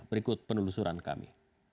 berikut penelusuran kami